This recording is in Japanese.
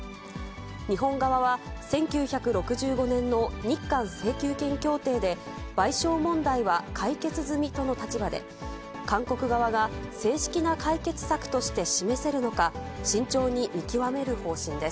日本側は、１９６５年の日韓請求権協定で、賠償問題は解決済みとの立場で、韓国側が正式な解決策として示せるのか、慎重に見極める方針です。